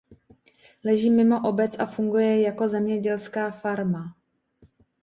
Leží mimo obec a funguje jako zemědělská farma.